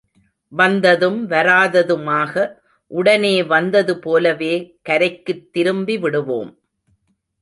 வந்ததும் வராததுமாக, உடனே வந்தது போலவே கரைக்குத் திரும்பி விடுவோம்!